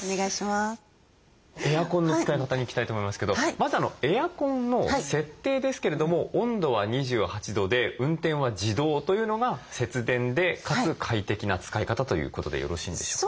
エアコンの使い方に行きたいと思いますけどまずエアコンの設定ですけれども温度は２８度で運転は自動というのが節電でかつ快適な使い方ということでよろしいんでしょうか？